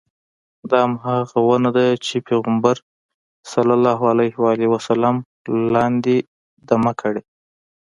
دا همغه ونه ده چې پیغمبر صلی الله علیه وسلم لاندې دمه کړې.